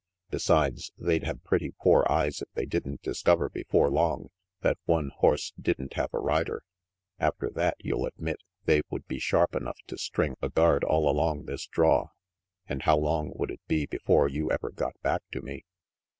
Besides, they'd have pretty poor eyes if they didn't discover before long that one horse didn't have a rider. After that, you'll admit, they would be sharp enough to string a guard all along this draw; and how long would it be before you ever got back to me?